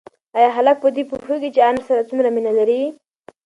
ایا هلک په دې پوهېږي چې انا ورسره څومره مینه لري؟